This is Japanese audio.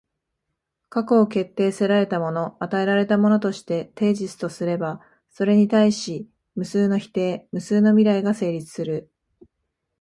過去を決定せられたもの、与えられたものとしてテージスとすれば、それに対し無数の否定、無数の未来が成立する。